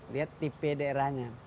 lihat tipe daerahnya